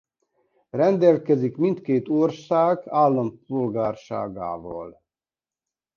Rendelkezik mindkét ország állampolgárságával.